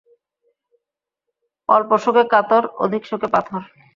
অল্প শোকে কাতর, অধিক শোকে পাথর।